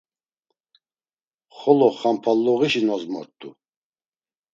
Xolo xampalluğişi nozmort̆u.